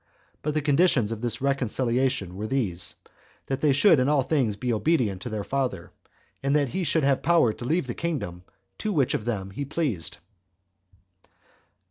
But the conditions of this reconciliation were these, that they should in all things be obedient to their father, and that he should have power to leave the kingdom to which of them he pleased.